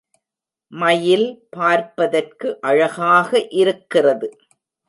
மயில் பார்ப்பதற்கு அழகாக இருக்கிறது.